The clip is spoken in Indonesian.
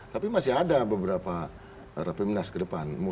tapi masih ada beberapa rapi munas ke depan